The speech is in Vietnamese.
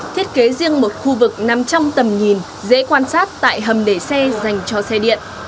thiết kế riêng một khu vực nằm trong tầm nhìn dễ quan sát tại hầm để xe dành cho xe điện